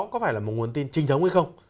có phải là một nguồn tin trinh thống hay không